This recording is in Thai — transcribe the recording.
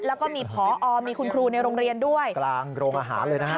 แล้วก็มีพอมีคุณครูในโรงเรียนด้วยกลางโรงอาหารเลยนะฮะ